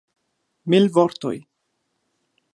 Mil vortoj!